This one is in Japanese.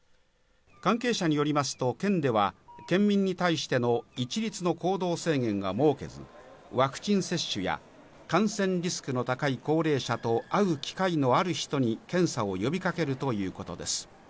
関係者によりますと県では県民に対しての一律の行動制限は設けず、ワクチン接種や感染リスクの高い高齢者と会う機会のある人に検査を呼びかけるということです。